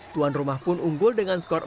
tuan rumah pun unggul dengan skor empat